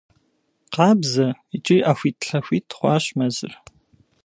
Къабзэ икӏи ӏэхуит-лъэхуит хъуащ мэзыр.